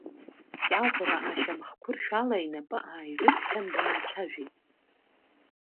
Кьаӷәра ашьамхқәыршә ала инапы ааирыцқьан даацәажәеит…